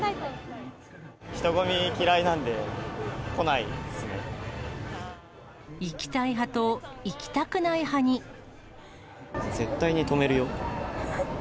人混み嫌いなんで、来ないで行きたい派と行きたくない派絶対に止めるよ。